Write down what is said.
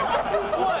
怖い！